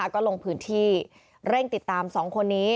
ก็ลงพื้นที่เร่งติดตาม๒คนนี้